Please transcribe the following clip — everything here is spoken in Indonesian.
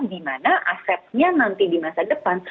di mana asetnya nanti di masa depan